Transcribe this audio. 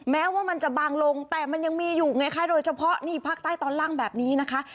แม้ว่ามันจะบางลงแต่มันยังมีอยู่ไงคะโดยเฉพาะนี่ภาคใต้ตอนล่างแบบนี้นะคะ